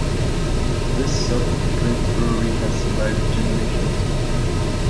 This soft drink brewery has survived generations.